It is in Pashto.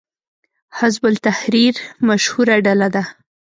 حزب التحریر مشهوره ډله ده